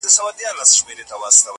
شیخ ته ورکوي شراب کشیش ته د زمزمو جام,